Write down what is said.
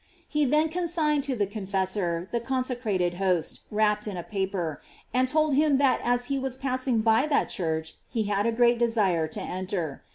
He then consigned to the confess or the consecrated host, wrapped in a paper, and told him that as he was passing by that church he had a great desire to enter.